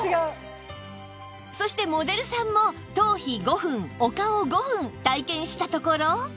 そしてモデルさんも頭皮５分お顔５分体験したところ